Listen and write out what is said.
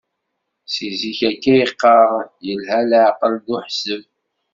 Si zik akka i qqaren, yelha leεqel d uḥezzeb.